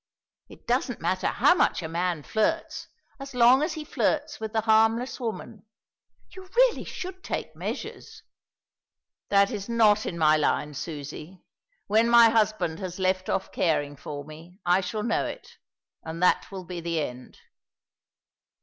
It doesn't matter how much a man flirts, as long as he flirts with the harmless woman. You really should take measures." "That is not in my line, Susie. When my husband has left off caring for me I shall know it, and that will be the end."